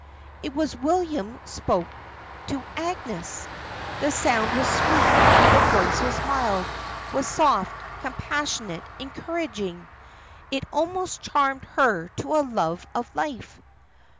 It was William spoke to Agnes! The sound was sweet; the voice was mild, was soft, compassionate, encouraging! It almost charmed her to a love of life!